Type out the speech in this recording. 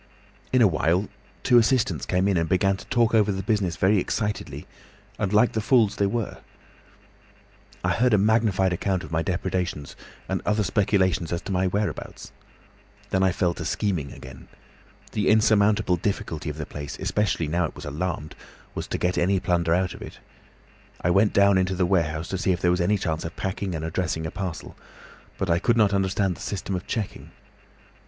"In a little while two assistants came in and began to talk over the business very excitedly and like the fools they were. I heard a magnified account of my depredations, and other speculations as to my whereabouts. Then I fell to scheming again. The insurmountable difficulty of the place, especially now it was alarmed, was to get any plunder out of it. I went down into the warehouse to see if there was any chance of packing and addressing a parcel, but I could not understand the system of checking.